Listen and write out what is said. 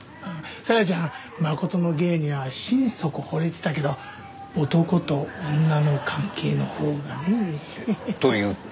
紗矢ちゃん真琴の芸には心底惚れてたけど男と女の関係のほうがね。というと？